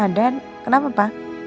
ada kenapa pak